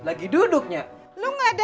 lagi duduknya lu ga dengan gua enggak